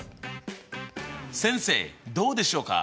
先生どうでしょうか？